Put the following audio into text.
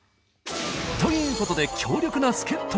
ということで強力な助っ人が！